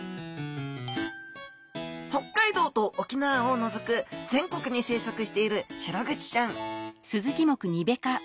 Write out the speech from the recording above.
北海道と沖縄をのぞく全国に生息しているシログチちゃん